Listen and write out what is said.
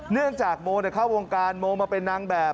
เนื่องจากโมเข้าวงการโมมาเป็นนางแบบ